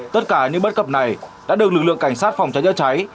tất cả những bất cập này đã được lực lượng cảnh sát phòng cháy chữa cháy